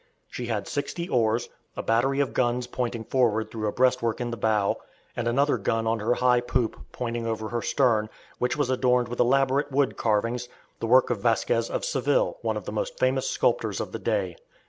She had sixty oars, a battery of guns pointing forward through a breastwork in the bow, and another gun on her high poop, pointing over her stern, which was adorned with elaborate wood carvings, the work of Vasquez of Seville, one of the most famous sculptors of the day.